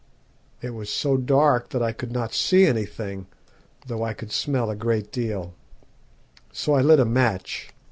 It was so dark that I could not see anything, though I could smell a great deal, so I lit a match.